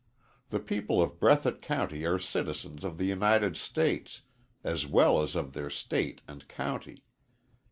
The people of Breathitt County are citizens of the United States, as well as of their State and county.